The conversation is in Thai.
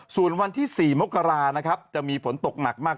ส่วนวันที่๔มกรานะครับจะมีฝนตกหนักมาก